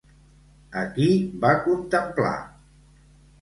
A qui va contemplar?